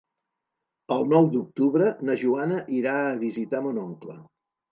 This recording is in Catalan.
El nou d'octubre na Joana irà a visitar mon oncle.